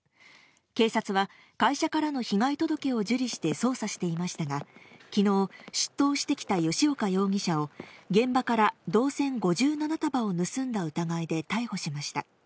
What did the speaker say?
警察は、会社からの被害届を受理して捜査していましたが、きのう、出頭してきた吉岡容疑者を、現場から銅線５７束を盗んだ疑いで逮捕しました。